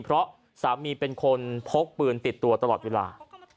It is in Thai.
เพราะสามีเป็นคนพกปืนติดตัวตลอดเวลา